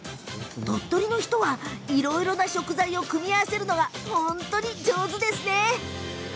鳥取の人は、いろいろな食材を組み合わせるのが上手ですね。